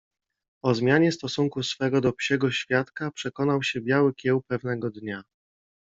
O zmianie stosunku swego do psiego światka przekonał się Biały Kieł pewnego dnia